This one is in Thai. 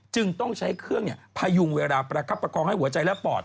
จึงต้องใช้เครื่องพยุงเวลาประคับประคองให้หัวใจและปอด